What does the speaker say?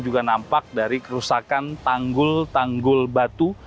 juga nampak dari kerusakan tanggul tanggul batu